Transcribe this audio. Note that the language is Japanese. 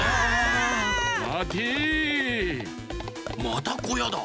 またこやだ。